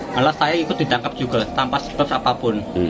malah saya ikut ditangkap juga tanpa sebab apapun